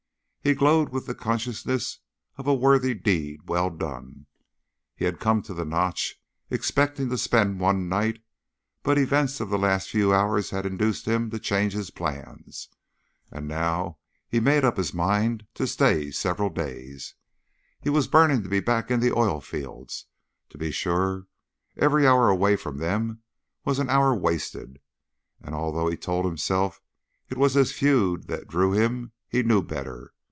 He glowed with the consciousness of a worthy deed well done. He had come to the Notch expecting to spend one night, but events of the last few hours had induced him to change his plans, and he now made up his mind to stay several days. He was burning to be back in the oil fields, to be sure; every hour away from them was an hour wasted, and although he told himself it was his feud that drew him, he knew better.